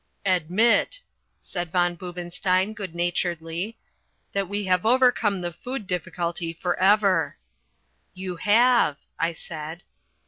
"Admit," said von Boobenstein good naturedly, "that we have overcome the food difficulty for ever." "You have," I said.